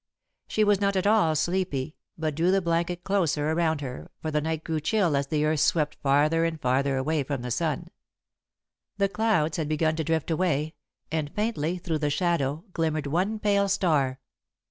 She was not at all sleepy, but drew the blanket closer around her, for the night grew chill as the earth swept farther and farther away from the sun. The clouds had begun to drift away, and faintly, through the shadow, glimmered one pale star.